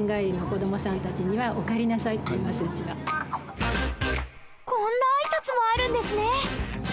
例えばこんな挨拶もあるんですね！